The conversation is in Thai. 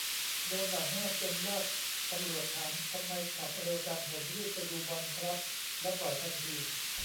โดนด่านหน้าเซ็นลาด ตำรวจถามทำไมขับเร็วจัง ผมรีบไปดูบอลครับ แล้วปล่อยทันที